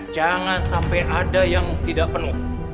jangan sampai ada yang tidak penuh